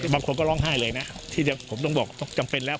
บางคนก็ร้องไห้เลยนะที่ผมต้องบอกต้องจำเป็นแล้ว